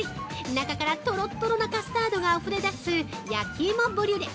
中からとろっとろなカスタードがあふれ出す「焼き芋ブリュレ」。